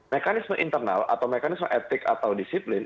mekanisme internal atau mekanisme etik atau disiplin